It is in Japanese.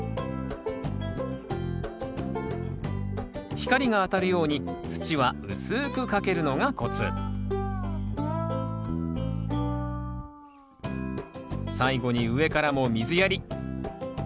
光が当たるように土は薄くかけるのがコツ最後に上からも水やり。